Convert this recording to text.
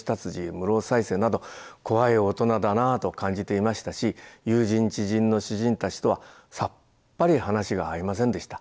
室生犀星など怖い大人だなと感じていましたし友人知人の詩人たちとはさっぱり話が合いませんでした。